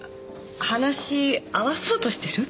話合わそうとしてる？